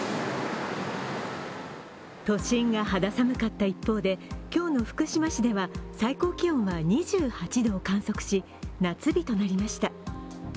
都心が肌寒かった一方で、今日の福島市では最高気温は２８度を観測し、夏日となりました。